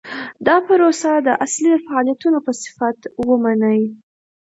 دا پروسه د اصلي فعالیتونو په صفت ومني.